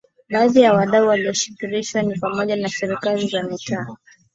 Baadhi ya wadau walioshirikishwa ni pamoja na Serikali za mitaa